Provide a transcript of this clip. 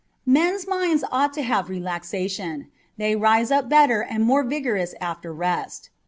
Men's minds ought to have relaxation : they rise up better and more vigorous after rest.